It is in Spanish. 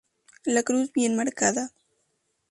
La cruz bien marcada.